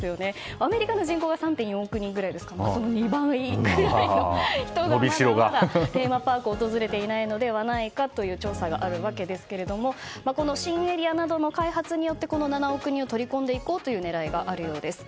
アメリカの人口が３．４億人くらいですからその２倍くらいの人がテーマパークを訪れていないのではないかという調査があるわけですがこの新エリアなどの開発によってこの７億人を取り込んでいこうという狙いがあるようです。